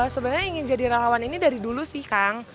sebenarnya ingin jadi relawan ini dari dulu sih kang